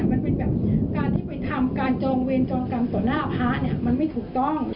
มันเป็นแบบการที่ไปทำการจองเวรจองกรรมต่อหน้าพระเนี่ยมันไม่ถูกต้อง